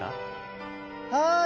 はい！